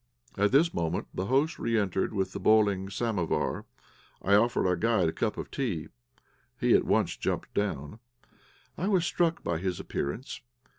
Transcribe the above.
At this moment the host re entered with the boiling samovar. I offered our guide a cup of tea. He at once jumped down. I was struck by his appearance.